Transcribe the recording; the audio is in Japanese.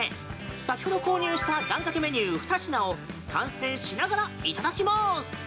先ほど購入した願掛けメニュー２品を観戦しながらいただきます。